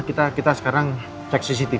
kita sekarang cek cctv